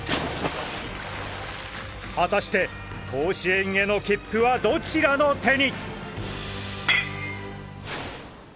果たして甲子園への切符はどちらの手に！